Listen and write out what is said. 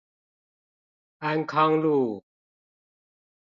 安康路